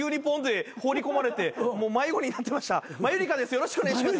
よろしくお願いします。